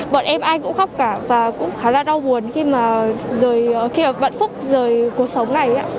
bọn em ai cũng khóc cả và cũng khá là đau buồn khi mà vận phúc rời cuộc sống này